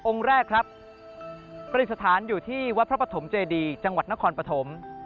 องค์แรกครับปริศาทานอยู่ที่วัดพระพรถมเจดีจังหวัดนครพรถม